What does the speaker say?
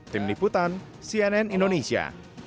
tim liputan cnn indonesia